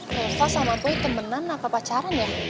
reva sama boy temenan apa pacaran ya